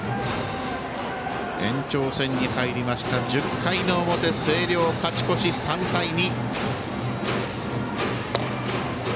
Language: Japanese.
延長戦に入りました１０回の表、星稜勝ち越し３対２。